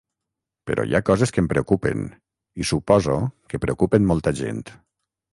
Però hi ha coses que em preocupen, i suposo que preocupen molta gent.